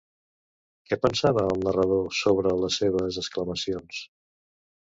Què pensava el narrador sobre les seves exclamacions?